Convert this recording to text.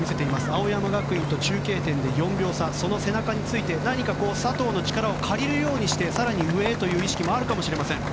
青山学院とは中継点で４秒差その背中について佐藤に力を借りるようにして更に上へという意識もあるかもしれません。